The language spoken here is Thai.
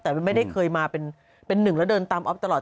แต่มันไม่ได้เคยมาเป็นหนึ่งแล้วเดินตามออฟตลอด